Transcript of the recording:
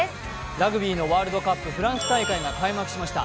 ラグビーのワールドカップフランス大会が開幕しました。